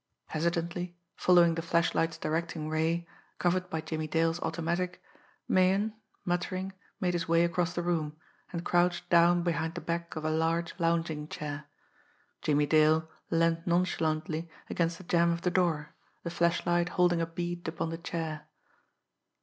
Hesitantly, following the flashlight's directing ray, covered by Jimmie Dale's automatic, Meighan, muttering, made his way across the room, and crouched down behind the back of a large lounging chair. Jimmie Dale leaned nonchalantly against the jamb of the door, the flashlight holding a bead upon the chair.